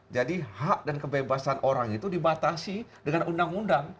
jadi hak dan kebebasan orang itu dibatasi dengan undang undang